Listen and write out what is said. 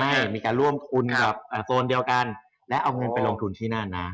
ใช่มีการร่วมทุนกับโซนเดียวกันและเอาเงินไปลงทุนที่นั่นนะ